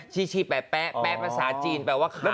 ชิแป๊ะแป๊ะภาษาจีนแปลว่าขาว